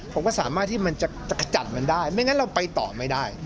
ผมก็สามารถที่มันจะขจัดมันได้ไม่งั้นเราไปต่อไม่ได้